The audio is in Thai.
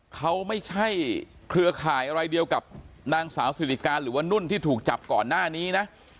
เขาไม่ใช่เครือข่ายอะไรเดียวกับนางสาวสิริการหรือว่านุ่นที่ถูกจับก่อนหน้านี้นะ